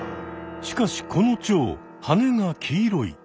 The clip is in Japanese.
しかしこのチョウはねが黄色い。